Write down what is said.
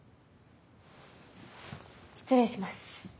失礼します。